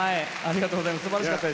ありがとうございます。